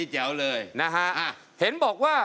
ใช่ค่ะ